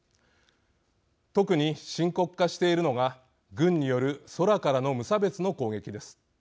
特に深刻化しているのが軍による空からの無差別の攻撃です。